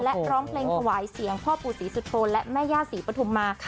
และร้องเพลงถวายเสียงพ่อปู่ศรีสุโธนและแม่ย่าศรีปฐุมมา